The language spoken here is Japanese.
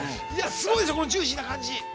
すごいでしょう、このジューシーな感じ。